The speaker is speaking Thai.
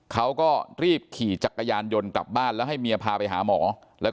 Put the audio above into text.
เขาก็รีบขี่จักรยานยนต์กลับบ้านแล้วให้เมียพาไปหาหมอแล้วก็